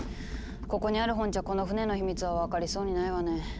ここにある本じゃこの船の秘密は分かりそうにないわね。